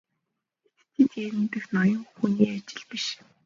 Хятадыг дээрэмдэх нь ноён хүний ажил биш.